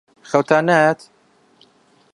خەوتان نایەت؟